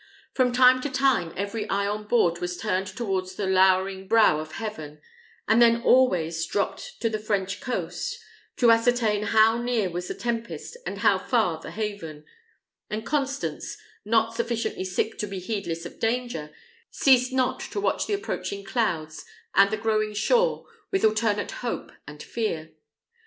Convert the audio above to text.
From time to time every eye on board was turned towards the lowering brow of heaven, and then always dropped to the French coast, to ascertain how near was the tempest and how far the haven; and Constance, not sufficiently sick to be heedless of danger, ceased not to watch the approaching clouds and the growing shore with alternate hope and fear.